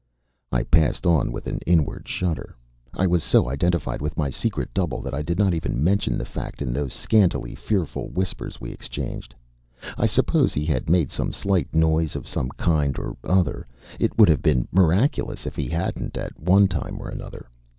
I passed on with an inward shudder. I was so identified with my secret double that I did not even mention the fact in those scanty, fearful whispers we exchanged. I suppose he had made some slight noise of some kind or other. It would have been miraculous if he hadn't at one time or another.